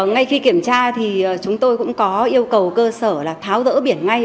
ngay khi kiểm tra thì chúng tôi cũng có yêu cầu cơ sở là tháo rỡ biển ngay